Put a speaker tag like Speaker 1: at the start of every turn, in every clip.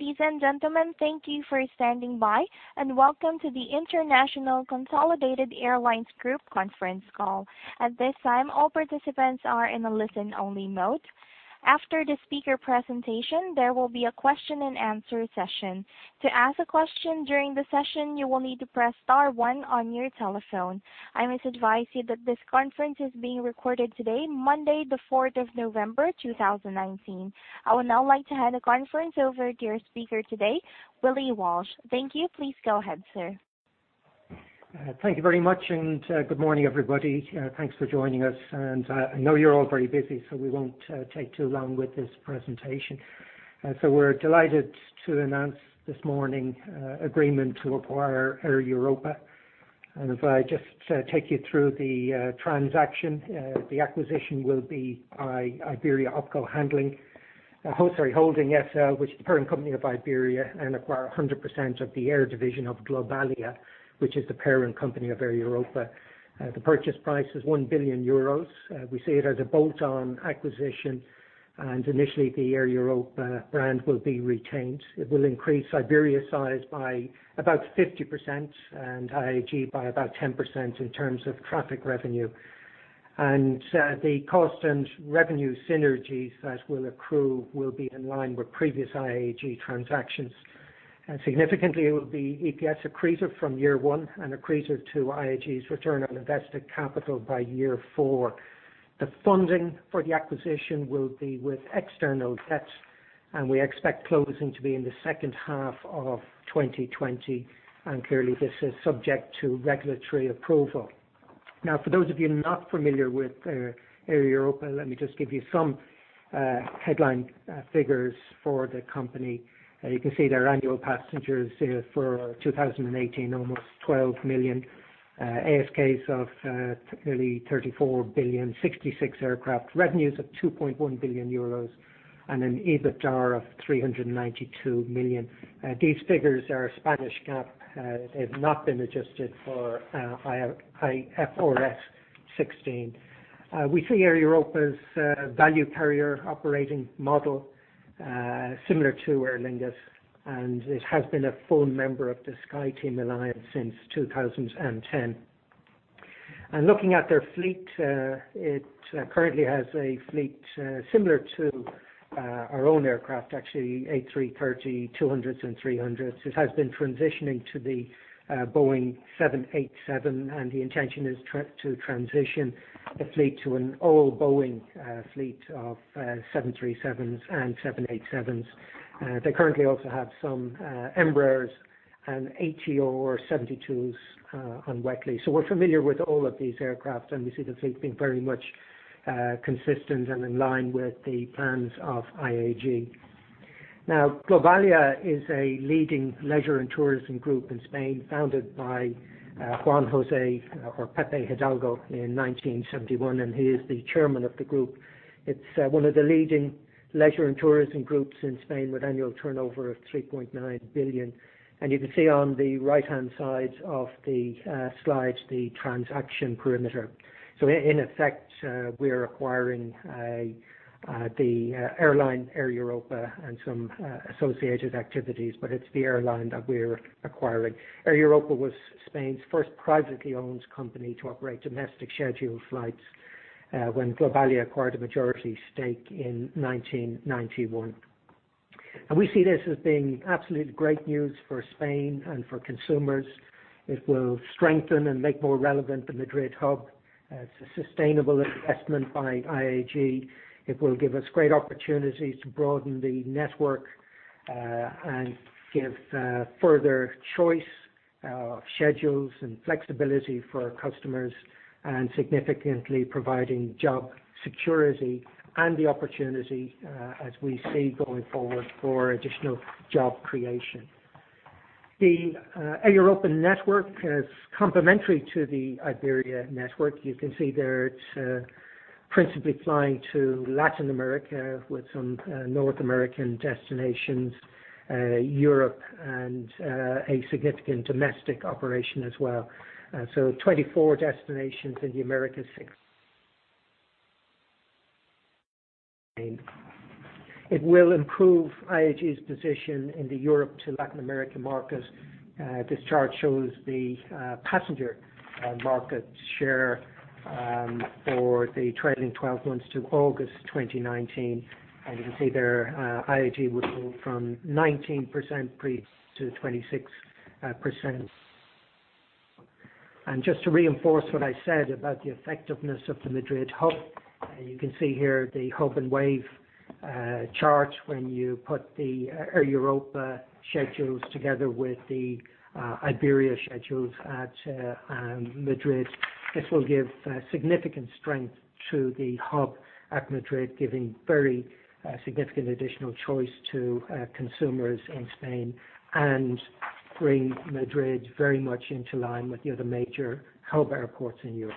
Speaker 1: Ladies and gentlemen, thank you for standing by, and welcome to the International Consolidated Airlines Group conference call. At this time, all participants are in a listen-only mode. After the speaker presentation, there will be a question and answer session. To ask a question during the session, you will need to press star one on your telephone. I must advise you that this conference is being recorded today, Monday the 4th of November, 2019. I would now like to hand the conference over to your speaker today, Willie Walsh. Thank you. Please go ahead, sir.
Speaker 2: Thank you very much, and good morning, everybody. Thanks for joining us. I know you're all very busy, so we won't take too long with this presentation. We're delighted to announce this morning agreement to acquire Air Europa. If I just take you through the transaction, the acquisition will be by Iberia Opco Holding S.A., which is the parent company of Iberia, and acquire 100% of the air division of Globalia, which is the parent company of Air Europa. The purchase price is 1 billion euros. We see it as a bolt-on acquisition, and initially, the Air Europa brand will be retained. It will increase Iberia's size by about 50% and IAG by about 10% in terms of traffic revenue. The cost and revenue synergies that will accrue will be in line with previous IAG transactions. Significantly, it will be EPS accretive from year one and accretive to IAG's return on invested capital by year four. The funding for the acquisition will be with external debt, and we expect closing to be in the second half of 2020. Clearly, this is subject to regulatory approval. Now, for those of you not familiar with Air Europa, let me just give you some headline figures for the company. You can see their annual passengers for 2018, almost 12 million. ASKs of nearly 34 billion, 66 aircraft, revenues of 2.1 billion euros and an EBITDA of 392 million. These figures are Spanish GAAP. They've not been adjusted for IFRS 16. We see Air Europa's value carrier operating model similar to Aer Lingus, and it has been a full member of the SkyTeam alliance since 2010. Looking at their fleet, it currently has a fleet similar to our own aircraft, actually, A330, 200s, and 300s. It has been transitioning to the Boeing 787, and the intention is to transition the fleet to an all-Boeing fleet of 737s and 787s. They currently also have some Embraers and ATR 72s on wet lease. We're familiar with all of these aircraft, and we see the fleet being very much consistent and in line with the plans of IAG. Globalia is a leading leisure and tourism group in Spain, founded by Juan José or Pepe Hidalgo in 1971, and he is the chairman of the group. It's one of the leading leisure and tourism groups in Spain, with annual turnover of 3.9 billion. You can see on the right-hand side of the slide the transaction perimeter. In effect, we're acquiring the airline, Air Europa, and some associated activities, but it's the airline that we're acquiring. Air Europa was Spain's first privately owned company to operate domestic scheduled flights when Globalia acquired a majority stake in 1991. We see this as being absolutely great news for Spain and for consumers. It will strengthen and make more relevant the Madrid hub. It's a sustainable investment by IAG. It will give us great opportunities to broaden the network and give further choice of schedules and flexibility for our customers and significantly providing job security and the opportunity as we see going forward for additional job creation. The Air Europa network is complementary to the Iberia network. You can see there it's principally flying to Latin America with some North American destinations, Europe, and a significant domestic operation as well. 24 destinations in the Americas. It will improve IAG's position in the Europe-to-Latin America market. This chart shows the passenger market share for the trailing 12 months to August 2019. As you can see there, IAG would move from 19% pre to 26%. Just to reinforce what I said about the effectiveness of the Madrid hub, you can see here the hub and wave chart. When you put the Air Europa schedules together with the Iberia schedules at Madrid, this will give significant strength to the hub at Madrid, giving very significant additional choice to consumers in Spain and bring Madrid very much into line with the other major hub airports in Europe.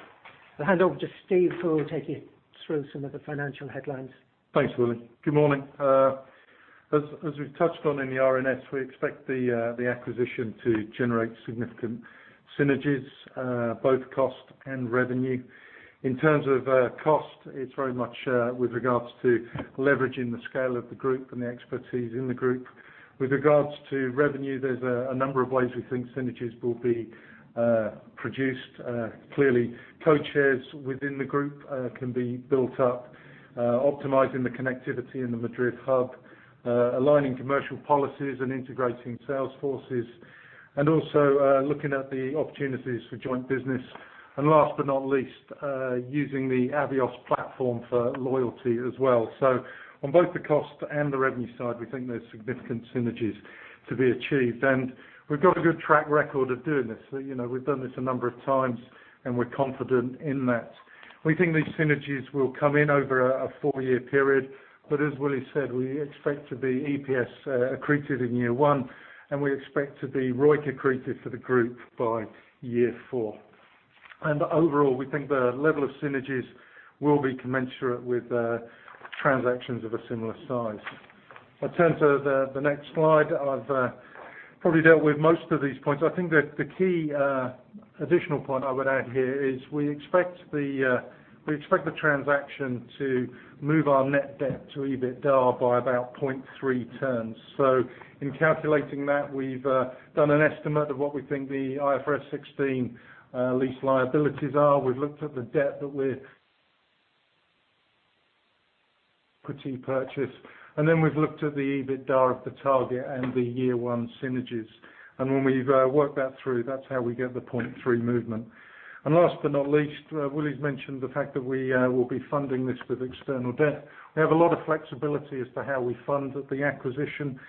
Speaker 2: I'll hand over to Steve, who will take you through some of the financial headlines.
Speaker 3: Thanks, Willie. Good morning. As we've touched on in the RNS, we expect the acquisition to generate significant synergies, both cost and revenue. In terms of cost, it's very much with regards to leveraging the scale of the group and the expertise in the group. With regards to revenue, there's a number of ways we think synergies will be produced. Clearly, codeshares within the group can be built up, optimizing the connectivity in the Madrid hub, aligning commercial policies and integrating sales forces, and also looking at the opportunities for joint business. Last but not least, using the Avios platform for loyalty as well. On both the cost and the revenue side, we think there's significant synergies to be achieved. We've got a good track record of doing this. We've done this a number of times, and we're confident in that. We think these synergies will come in over a four-year period. As Willie said, we expect to be EPS accretive in year one, and we expect to be ROIC accretive for the group by year four. Overall, we think the level of synergies will be commensurate with transactions of a similar size. I turn to the next slide. I've probably dealt with most of these points. I think that the key additional point I would add here is we expect the transaction to move our net debt to EBITDA by about 0.3 turns. In calculating that, we've done an estimate of what we think the IFRS 16 lease liabilities are. We've looked at the debt that we're putting purchase, and then we've looked at the EBITDA of the target and the year one synergies. When we've worked that through, that's how we get the 0.3 movement. Last but not least, Willie's mentioned the fact that we will be funding this with external debt. We have a lot of flexibility as to how we fund the acquisition.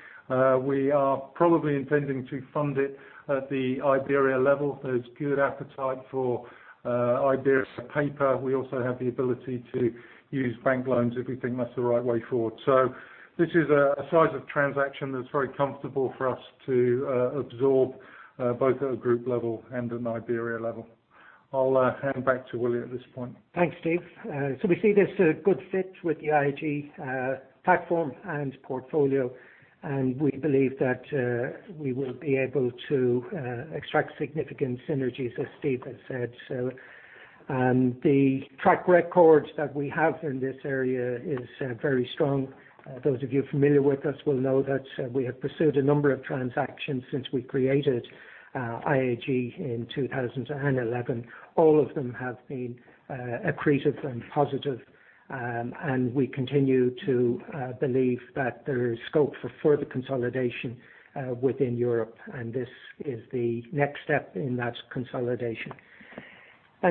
Speaker 3: We are probably intending to fund it at the Iberia level. There's good appetite for Iberia paper. We also have the ability to use bank loans if we think that's the right way forward. This is a size of transaction that's very comfortable for us to absorb, both at a group level and an Iberia level. I'll hand back to Willie at this point.
Speaker 2: Thanks, Steve. We see this a good fit with the IAG platform and portfolio, and we believe that we will be able to extract significant synergies, as Steve has said. The track record that we have in this area is very strong. Those of you familiar with us will know that we have pursued a number of transactions since we created IAG in 2011. All of them have been accretive and positive, and we continue to believe that there is scope for further consolidation within Europe, and this is the next step in that consolidation.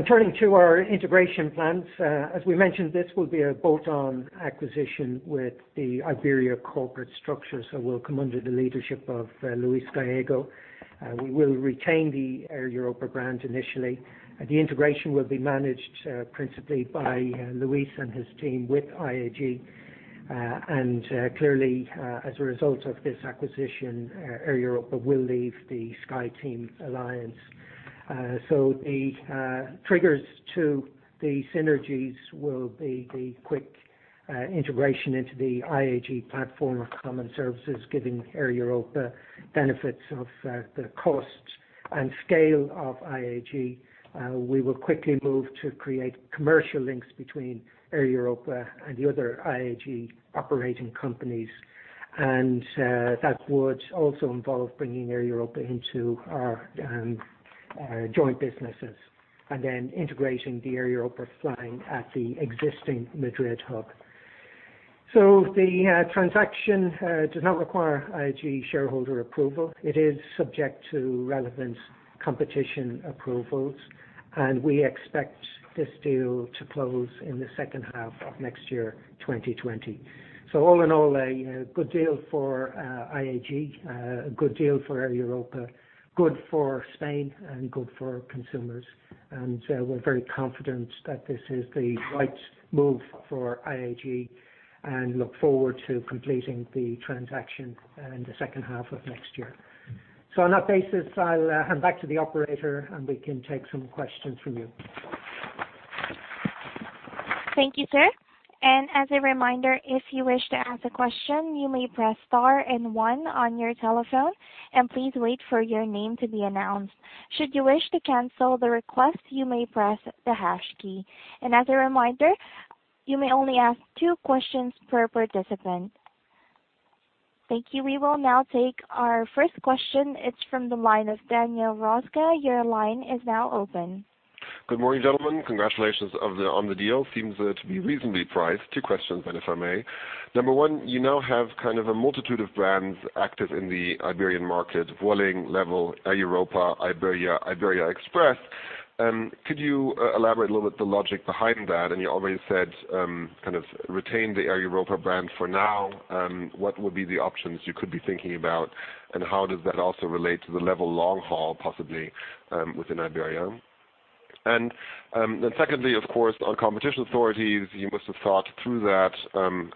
Speaker 2: Turning to our integration plans. As we mentioned, this will be a bolt-on acquisition with the Iberia corporate structure, so will come under the leadership of Luis Gallego. We will retain the Air Europa brand initially. The integration will be managed principally by Luis and his team with IAG. Clearly, as a result of this acquisition, Air Europa will leave the SkyTeam alliance. The triggers to the synergies will be the quick integration into the IAG platform of common services, giving Air Europa benefits of the cost and scale of IAG. We will quickly move to create commercial links between Air Europa and the other IAG operating companies. That would also involve bringing Air Europa into our joint businesses and then integrating the Air Europa flying at the existing Madrid hub. The transaction does not require IAG shareholder approval. It is subject to relevant competition approvals, and we expect this deal to close in the second half of next year, 2020. All in all, a good deal for IAG, a good deal for Air Europa, good for Spain, and good for consumers. We're very confident that this is the right move for IAG and look forward to completing the transaction in the second half of next year. On that basis, I'll hand back to the operator, and we can take some questions from you.
Speaker 1: Thank you, sir. As a reminder, if you wish to ask a question, you may press star and one on your telephone, and please wait for your name to be announced. Should you wish to cancel the request, you may press the hash key. As a reminder, you may only ask two questions per participant. Thank you. We will now take our first question. It's from the line of Daniel Roeska. Your line is now open.
Speaker 4: Good morning, gentlemen. Congratulations on the deal. Seems to be reasonably priced. Two questions, if I may. Number one, you now have kind of a multitude of brands active in the Iberian market, Vueling, Level, Air Europa, Iberia Express. Could you elaborate a little bit the logic behind that? You already said kind of retain the Air Europa brand for now. What would be the options you could be thinking about, and how does that also relate to the Level long haul, possibly, within Iberia? Secondly, of course, on competition authorities, you must have thought through that,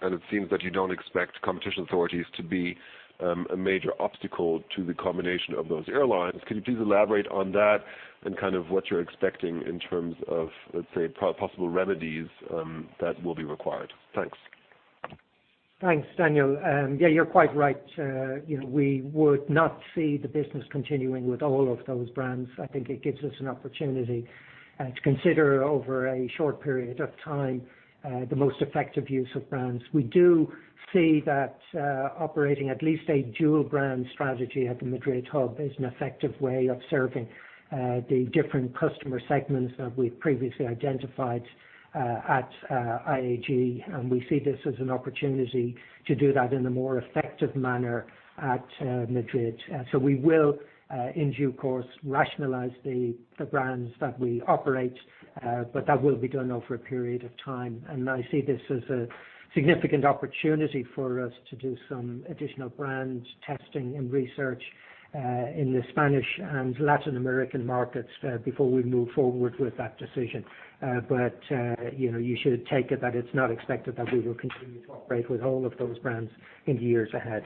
Speaker 4: and it seems that you don't expect competition authorities to be a major obstacle to the combination of those airlines. Could you please elaborate on that and kind of what you're expecting in terms of, let's say, possible remedies that will be required? Thanks.
Speaker 2: Thanks, Daniel. Yeah, you're quite right. We would not see the business continuing with all of those brands. I think it gives us an opportunity to consider over a short period of time, the most effective use of brands. We do see that operating at least a dual brand strategy at the Madrid hub is an effective way of serving the different customer segments that we've previously identified at IAG, and we see this as an opportunity to do that in a more effective manner at Madrid. We will, in due course, rationalize the brands that we operate, but that will be done over a period of time. I see this as a significant opportunity for us to do some additional brand testing and research in the Spanish and Latin American markets before we move forward with that decision. You should take it that it's not expected that we will continue to operate with all of those brands in the years ahead.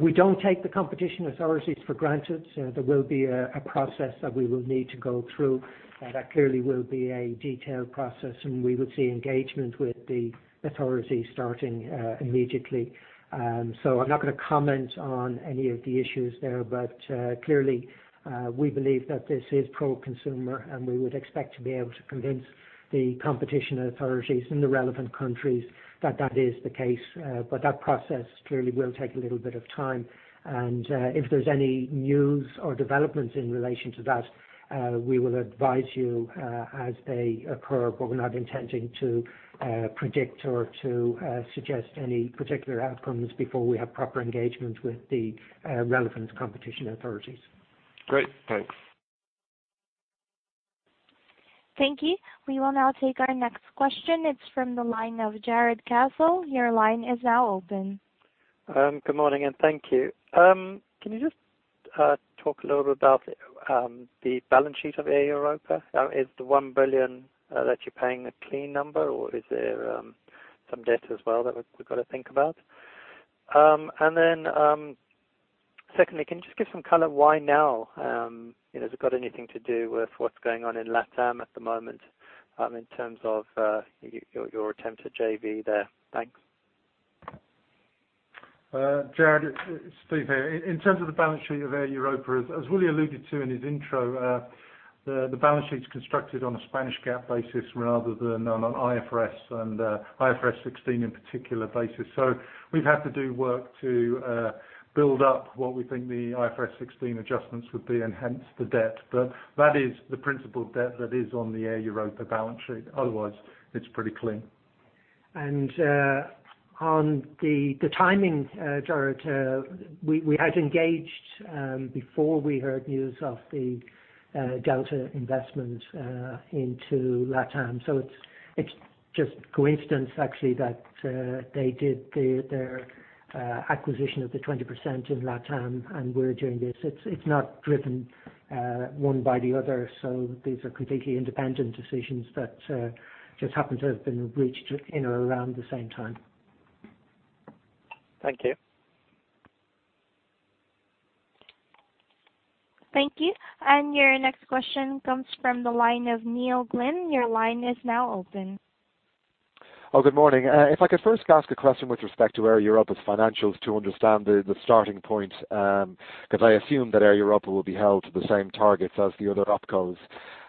Speaker 2: We don't take the competition authorities for granted. There will be a process that we will need to go through, and that clearly will be a detailed process, and we would see engagement with the authority starting immediately. I'm not going to comment on any of the issues there, but clearly, we believe that this is pro-consumer, and we would expect to be able to convince the competition authorities in the relevant countries that that is the case. That process clearly will take a little bit of time. If there's any news or developments in relation to that, we will advise you as they occur. We're not intending to predict or to suggest any particular outcomes before we have proper engagement with the relevant competition authorities.
Speaker 4: Great, thanks.
Speaker 1: Thank you. We will now take our next question. It is from the line of Jarrod Castle. Your line is now open.
Speaker 5: Good morning, and thank you. Can you just talk a little bit about the balance sheet of Air Europa? Is the 1 billion that you're paying a clean number, or is there some debt as well that we've got to think about? Secondly, can you just give some color why now? Has it got anything to do with what's going on in LATAM at the moment in terms of your attempt at JV there? Thanks.
Speaker 3: Jarrod, it's Steve here. In terms of the balance sheet of Air Europa, as Willie alluded to in his intro, the balance sheet's constructed on a Spanish GAAP basis rather than on an IFRS, and IFRS 16 in particular, basis. We've had to do work to build up what we think the IFRS 16 adjustments would be and hence the debt. That is the principal debt that is on the Air Europa balance sheet. Otherwise, it's pretty clean.
Speaker 2: On the timing, Jarrod, we had engaged before we heard news of the Delta investment into LATAM. It's just coincidence actually that they did their acquisition of the 20% in LATAM and we're doing this. It's not driven one by the other. These are completely independent decisions that just happen to have been reached in or around the same time.
Speaker 5: Thank you.
Speaker 1: Thank you. Your next question comes from the line of Neil Glynn. Your line is now open.
Speaker 6: Good morning. If I could first ask a question with respect to Air Europa's financials to understand the starting point, because I assume that Air Europa will be held to the same targets as the other opcos.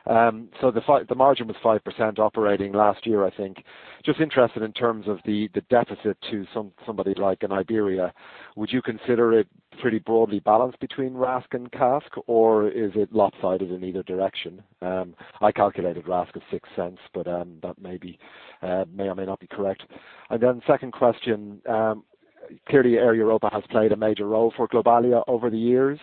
Speaker 6: The margin was 5% operating last year, I think. Just interested in terms of the deficit to somebody like an Iberia. Would you consider it pretty broadly balanced between RASK and CASK, or is it lopsided in either direction? I calculated RASK of 0.06, but that may or may not be correct. Second question, clearly Air Europa has played a major role for Globalia over the years.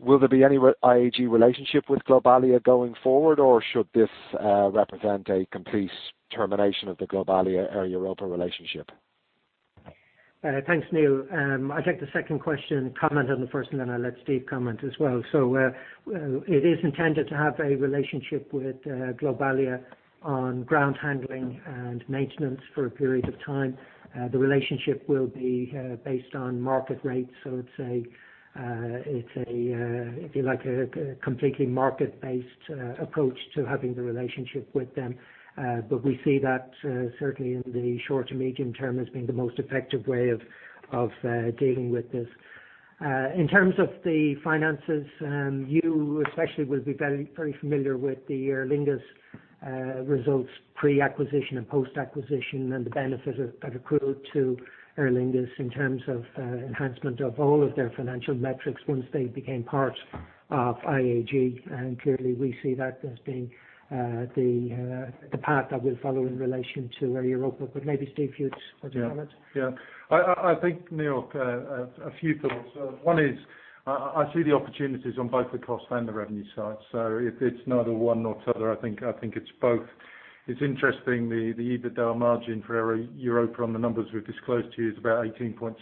Speaker 6: Will there be any IAG relationship with Globalia going forward, or should this represent a complete termination of the Globalia Air Europa relationship?
Speaker 2: Thanks, Neil. I'll take the second question, comment on the first, and then I'll let Steve comment as well. It is intended to have a relationship with Globalia on ground handling and maintenance for a period of time. The relationship will be based on market rates. It's, if you like, a completely market-based approach to having the relationship with them. We see that certainly in the short to medium term as being the most effective way of dealing with this. In terms of the finances, you especially will be very familiar with the Aer Lingus results pre-acquisition and post-acquisition, and the benefits that accrued to Aer Lingus in terms of enhancement of all of their financial metrics once they became part of IAG. Clearly, we see that as being the path that we'll follow in relation to Air Europa. Maybe Steve, you want to comment?
Speaker 3: I think, Neil, a few thoughts. One is, I see the opportunities on both the cost and the revenue side. It's neither one nor t'other. I think it's both. It's interesting, the EBITDA margin for Air Europa on the numbers we've disclosed to you is about 18.6%.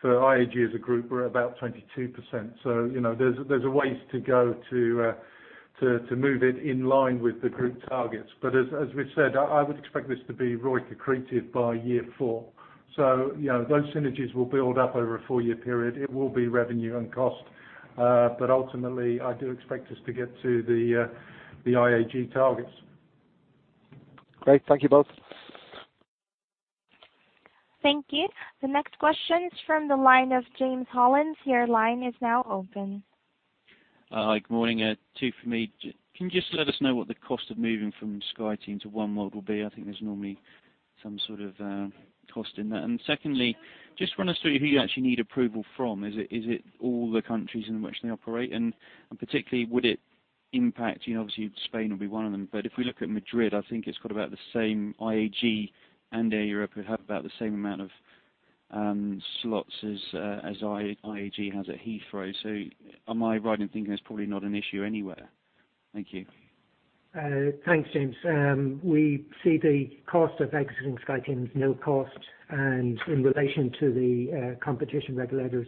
Speaker 3: For IAG as a group, we're about 22%. There's a ways to go to move it in line with the group targets. As we've said, I would expect this to be ROIC accretive by year four. Those synergies will build up over a four-year period. It will be revenue and cost. Ultimately, I do expect us to get to the IAG targets.
Speaker 6: Great. Thank you both.
Speaker 1: Thank you. The next question is from the line of James Hollins. Your line is now open.
Speaker 7: Hi. Good morning. Two from me. Can you just let us know what the cost of moving from SkyTeam to oneworld will be? I think there's normally some sort of cost in that. Secondly, just run us through who you actually need approval from. Is it all the countries in which they operate? Particularly would it impact, obviously Spain will be one of them, but if we look at Madrid, I think IAG and Air Europa have about the same amount of slots as IAG has at Heathrow. Am I right in thinking it's probably not an issue anywhere? Thank you.
Speaker 2: Thanks, James. We see the cost of exiting SkyTeam as no cost. In relation to the competition regulators,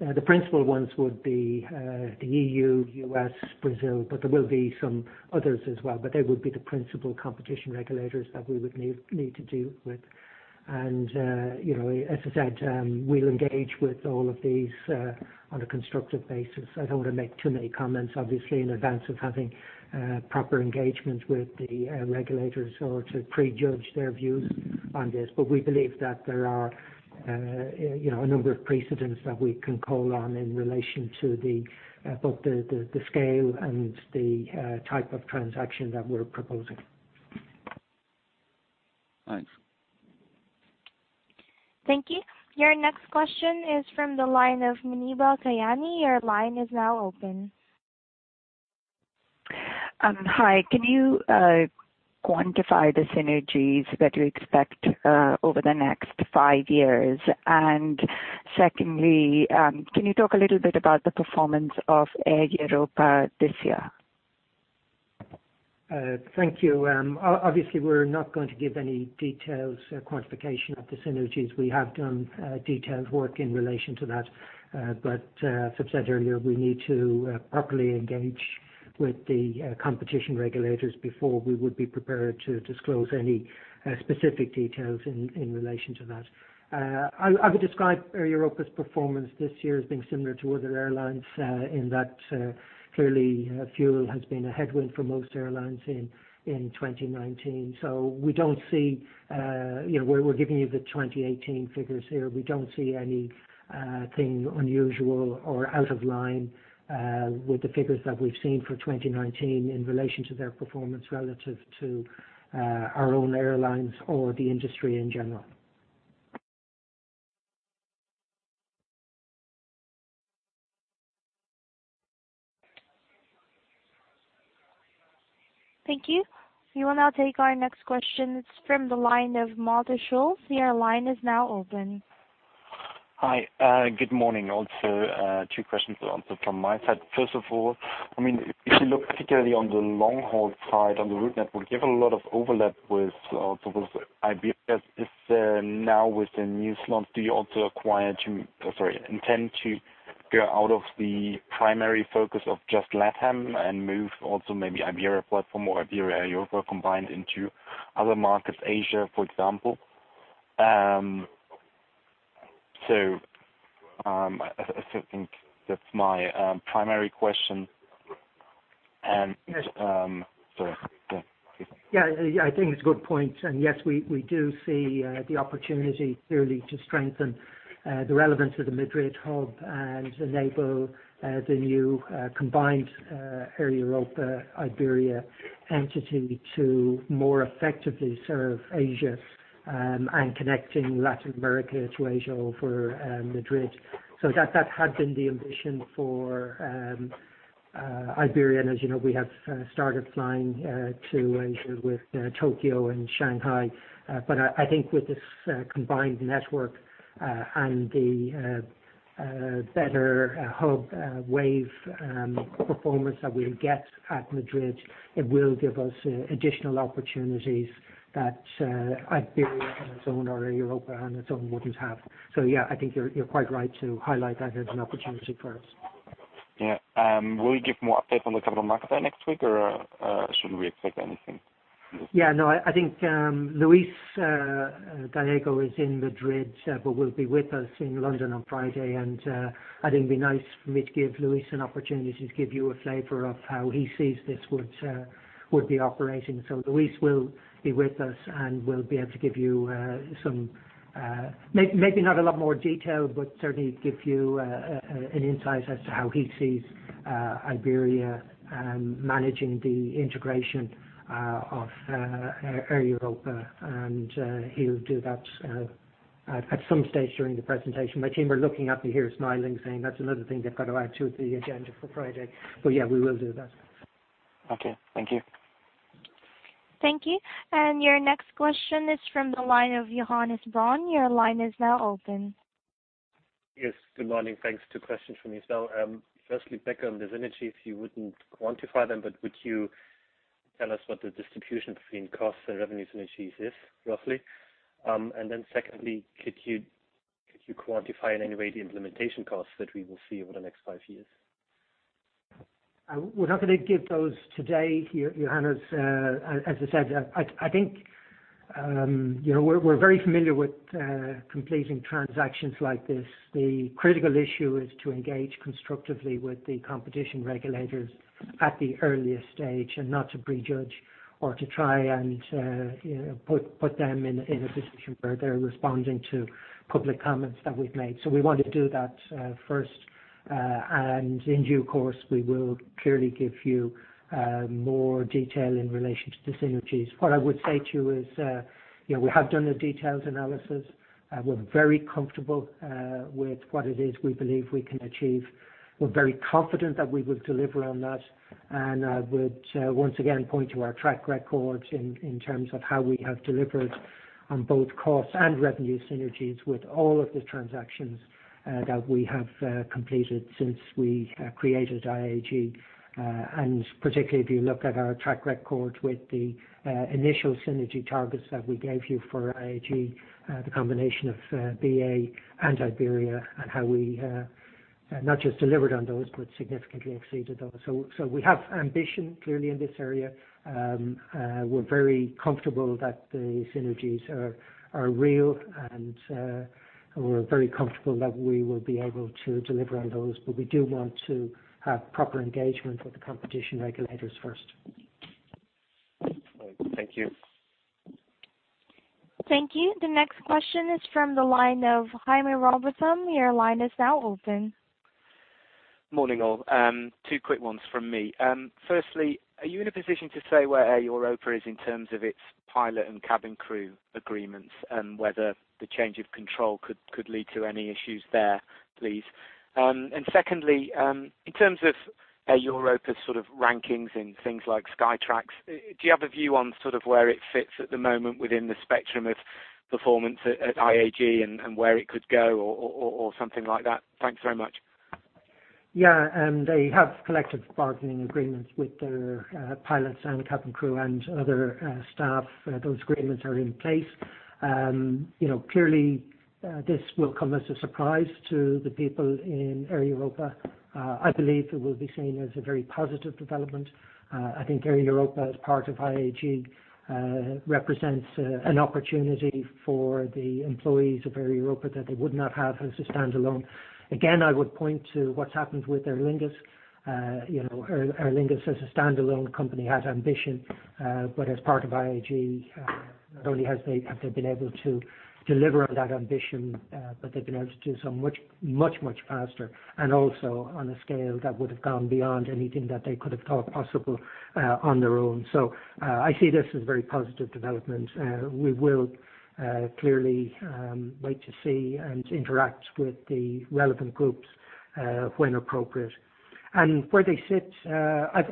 Speaker 2: the principal ones would be the EU, U.S., Brazil, but there will be some others as well. They would be the principal competition regulators that we would need to deal with. As I said, we'll engage with all of these on a constructive basis. I don't want to make too many comments, obviously, in advance of having proper engagement with the regulators or to prejudge their views on this. We believe that there are a number of precedents that we can call on in relation to both the scale and the type of transaction that we're proposing.
Speaker 7: Thanks.
Speaker 1: Thank you. Your next question is from the line of Muneeba Kayani. Your line is now open.
Speaker 8: Hi. Can you quantify the synergies that you expect over the next five years? Secondly, can you talk a little bit about the performance of Air Europa this year?
Speaker 2: Thank you. Obviously, we're not going to give any details or quantification of the synergies. We have done detailed work in relation to that. As I said earlier, we need to properly engage with the competition regulators before we would be prepared to disclose any specific details in relation to that. I would describe Air Europa's performance this year as being similar to other airlines, in that clearly fuel has been a headwind for most airlines in 2019. We're giving you the 2018 figures here. We don't see anything unusual or out of line with the figures that we've seen for 2019 in relation to their performance relative to our own airlines or the industry in general.
Speaker 1: Thank you. We will now take our next question. It is from the line of Malte Schulz. Your line is now open.
Speaker 9: Hi. Good morning. Two questions from my side. First of all, if you look particularly on the long-haul side, on the route network, you have a lot of overlap with Iberia. Now with the new slots, do you also intend to go out of the primary focus of just LATAM and move also maybe Iberia platform or Iberia-Air Europa combined into other markets, Asia, for example? I think that's my primary question.
Speaker 2: Yes.
Speaker 9: Sorry. Yeah.
Speaker 2: Yeah. I think it's a good point. Yes, we do see the opportunity, clearly, to strengthen the relevance of the Madrid hub and enable the new combined Air Europa-Iberia entity to more effectively serve Asia, and connecting Latin America to Asia over Madrid. That had been the ambition for Iberia. As you know, we have started flying to Asia with Tokyo and Shanghai. I think with this combined network and the better hub wave performance that we'll get at Madrid, it will give us additional opportunities that Iberia on its own or Air Europa on its own wouldn't have. Yeah, I think you're quite right to highlight that as an opportunity for us.
Speaker 9: Yeah. Will you give more update on the capital market next week or shouldn't we expect anything?
Speaker 2: Yeah, no. I think Luis Gallego is in Madrid, but will be with us in London on Friday. I think it'd be nice for me to give Luis an opportunity to give you a flavor of how he sees this would be operating. Luis will be with us, and we'll be able to give you, maybe not a lot more detail, but certainly give you an insight as to how he sees Iberia managing the integration of Air Europa. He'll do that at some stage during the presentation. My team are looking at me here smiling, saying that's another thing they've got to add to the agenda for Friday. Yeah, we will do that.
Speaker 9: Okay. Thank you.
Speaker 1: Thank you. Your next question is from the line of Johannes Braun. Your line is now open.
Speaker 10: Yes. Good morning. Thanks. Two questions from me as well. Firstly, back on the synergies, you wouldn't quantify them, but would you tell us what the distribution between cost and revenue synergies is, roughly? Secondly, could you quantify in any way the implementation costs that we will see over the next five years?
Speaker 2: We're not going to give those today, Johannes. As I said, I think we're very familiar with completing transactions like this. The critical issue is to engage constructively with the competition regulators at the earliest stage and not to prejudge or to try and put them in a position where they're responding to public comments that we've made. We want to do that first, and in due course, we will clearly give you more detail in relation to the synergies. What I would say to you is, we have done a detailed analysis. We're very comfortable with what it is we believe we can achieve. We're very confident that we will deliver on that, and I would once again point to our track record in terms of how we have delivered on both cost and revenue synergies with all of the transactions that we have completed since we created IAG. Particularly if you look at our track record with the initial synergy targets that we gave you for IAG, the combination of BA and Iberia, and how we not just delivered on those but significantly exceeded those. We have ambition, clearly, in this area. We're very comfortable that the synergies are real, and we're very comfortable that we will be able to deliver on those, but we do want to have proper engagement with the competition regulators first.
Speaker 10: Thank you.
Speaker 1: Thank you. The next question is from the line of Jaime Rowbotham. Your line is now open.
Speaker 11: Morning, all. Two quick ones from me. Firstly, are you in a position to say where Air Europa is in terms of its pilot and cabin crew agreements, and whether the change of control could lead to any issues there, please? Secondly, in terms of Air Europa's rankings in things like Skytrax, do you have a view on where it fits at the moment within the spectrum of performance at IAG and where it could go or something like that? Thanks very much.
Speaker 2: They have collective bargaining agreements with their pilots and cabin crew and other staff. Those agreements are in place. Clearly, this will come as a surprise to the people in Air Europa. I believe it will be seen as a very positive development. I think Air Europa as part of IAG represents an opportunity for the employees of Air Europa that they would not have as a standalone. Again, I would point to what's happened with Aer Lingus. Aer Lingus as a standalone company had ambition. As part of IAG, not only have they been able to deliver on that ambition, but they've been able to do so much, much faster and also on a scale that would have gone beyond anything that they could have thought possible on their own. I see this as a very positive development. We will clearly wait to see and interact with the relevant groups when appropriate. Where they sit,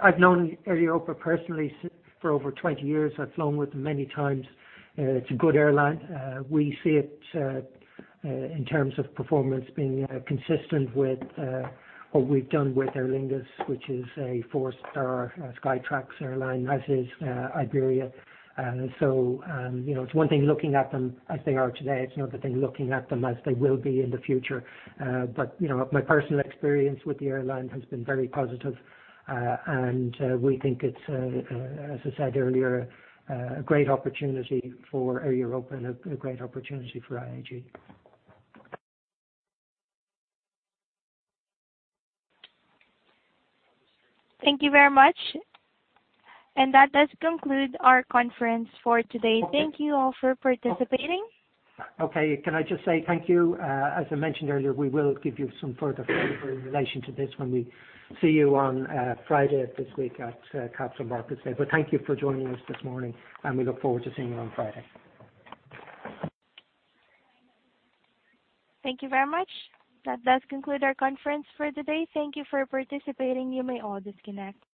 Speaker 2: I've known Air Europa personally for over 20 years. I've flown with them many times. It's a good airline. We see it, in terms of performance, being consistent with what we've done with Aer Lingus, which is a four-star Skytrax airline, as is Iberia. So it's one thing looking at them as they are today. It's another thing looking at them as they will be in the future. My personal experience with the airline has been very positive. We think it's, as I said earlier, a great opportunity for Air Europa and a great opportunity for IAG.
Speaker 1: Thank you very much. That does conclude our conference for today. Thank you all for participating.
Speaker 2: Okay. Can I just say thank you. As I mentioned earlier, we will give you some further flavor in relation to this when we see you on Friday of this week at Capital Markets Day. Thank you for joining us this morning, and we look forward to seeing you on Friday.
Speaker 1: Thank you very much. That does conclude our conference for the day. Thank you for participating. You may all disconnect.